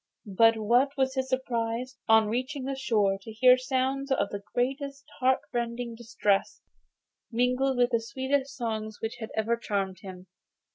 But what was his surprise, on reaching the shore, to hear sounds of the most heartrending distress, mingled with the sweetest songs which had ever charmed him!